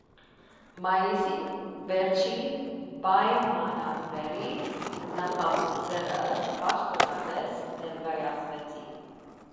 Մայիսի վերջին պայմանագրերի նախագծերը պաշտոնապես ներկայացվեցին։